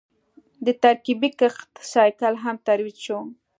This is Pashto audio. د ترکیبي کښت سایکل هم ترویج شو.